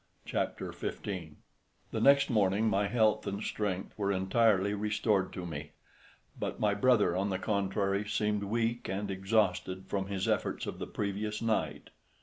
CHAPTER XV The next morning my health and strength were entirely restored to me, but my brother, on the contrary, seemed weak and exhausted from his efforts of the previous night.